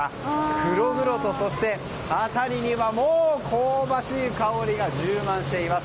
黒々と、辺りには香ばしい香りが充満しています。